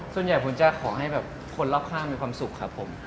ส่วนใหญ่ผมจะขอให้แบบคนรอบข้างมีความสุขครับผม